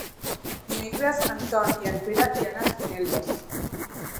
Dimecres en Ton i en Pere iran a Espinelves.